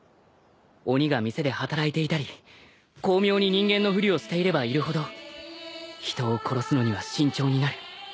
鬼が店で働いていたり巧妙に人間のふりをしていればいるほど人を殺すのには慎重になる。